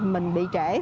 mình bị trễ